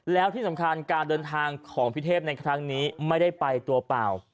แล้วที่สำคัญการเดินทางของพี่เทพในครั้งนี้ไม่ได้ไปตัวเปล่า